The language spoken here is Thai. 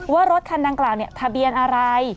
ว่ารถคันดังกล่าวเนี่ยทะเบียนอะไร